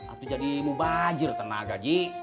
itu jadi mubajir tenaga ji